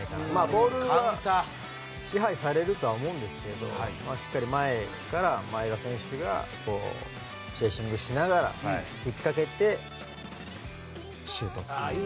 ボールは支配されると思うんですけどしっかり前から前田選手がチェイシングしながら引っ掛けてシュート。